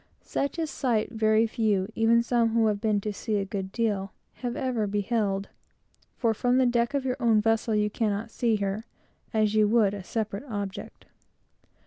Such a sight, very few, even some who have been at sea a great deal, have ever beheld; for from the deck of your own vessel you cannot see her, as you would a separate object.